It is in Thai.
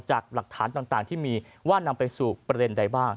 จากหลักฐานต่างที่มีว่านำไปสู่ประเด็นใดบ้าง